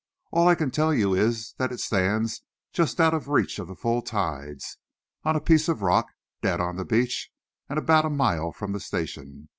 All I can tell you is that it stands just out of reach of the full tides, on a piece of rock, dead on the beach and about a mile from the station.